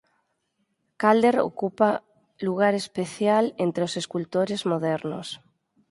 Calder ocupa lugar especial entre os escultores modernos.